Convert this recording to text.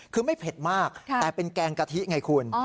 คือไม่เผ็ดมากแต่เป็นแกงกะทิไงคุณ